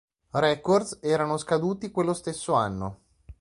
Records erano scaduti quello stesso anno.